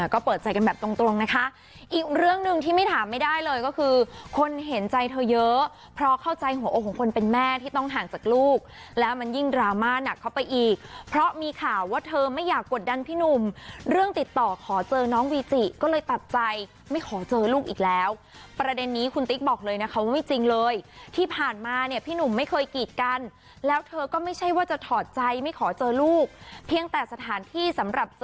ก็เปิดใจกันแบบตรงนะคะอีกเรื่องนึงที่ไม่ถามไม่ได้เลยก็คือคนเห็นใจเธอเยอะเพราะเข้าใจหัวอกของคนเป็นแม่ที่ต้องห่างจากลูกแล้วมันยิ่งดราม่าหนักเข้าไปอีกเพราะมีข่าวว่าเธอไม่อยากกดดันพี่หนุ่มเรื่องติดต่อขอเจอน้องวีจิก็เลยตัดใจไม่ขอเจอลูกอีกแล้วประเด็นนี้คุณติ๊กบอกเลยนะคะว่าไม่จริงเลยที่ผ่